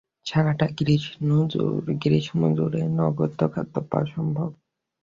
সারাটা গ্রীষ্ম জুড়েই নগন্য খাদ্য পাওয়া সম্ভব।